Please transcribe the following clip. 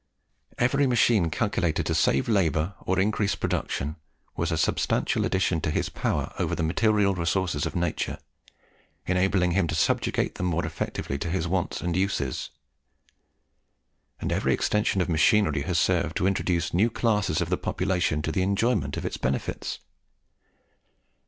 Every machine calculated to save labour or increase production was a substantial addition to his power over the material resources of nature, enabling him to subjugate them more effectually to his wants and uses; and every extension of machinery has served to introduce new classes of the population to the enjoyment of its benefits.